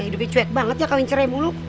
ya hidupnya cuek banget ya kawin cerai buluk